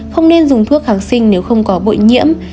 không nên dùng thuốc kháng sinh nếu không có bội nhiễm